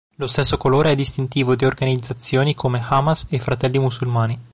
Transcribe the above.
Lo stesso colore è distintivo di organizzazioni come Hamas e Fratelli Musulmani.